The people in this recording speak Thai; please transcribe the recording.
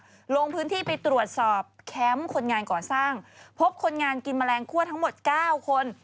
ลงพื้นที่ไปตรวจสอบแคมป์คนงานก่อสร้างพบคนงานกินแมลงคั่วทั้งหมด๙คน